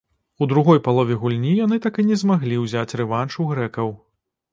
У другой палове гульні яны так і не змаглі ўзяць рэванш у грэкаў.